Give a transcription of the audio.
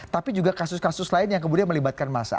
tapi juga kasus kasus lain yang kemudian melibatkan massa